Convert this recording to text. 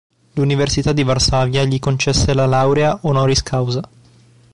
L'Università di Varsavia gli concesse la laurea "honoris causa".